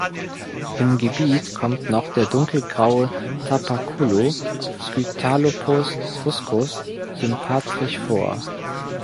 Im Gebiet kommt noch der Dunkelgraue Tapaculo ("Scytalopus fuscus") sympatrisch vor.